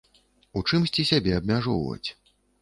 У чымсьці сябе абмяжоўваць.